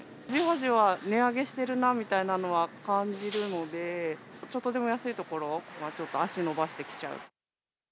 じわじわ値上げしてるなみたいなのは感じるので、ちょっとでも安い所はちょっと足延ばしてきちゃう。